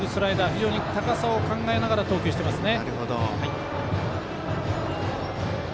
非常に高さを考えながら投球していますね。